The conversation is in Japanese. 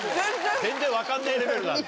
全然分かんねえレベルなんだ。